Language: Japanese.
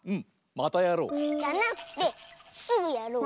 またやろう！じゃなくてすぐやろう！